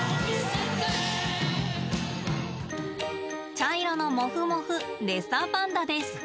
茶色のモフモフレッサーパンダです。